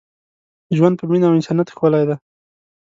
ژوند په مینه او انسانیت ښکلی دی.